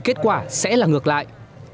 thì kết quả sẽ là ngược lại